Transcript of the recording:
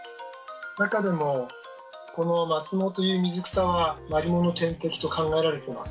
中でもこの「マツモ」という水草はマリモの天敵と考えられています。